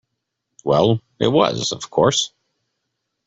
Well, it was, of course.